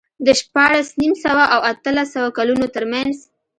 د شپاړس نیم سوه او اتلس سوه کلونو ترمنځ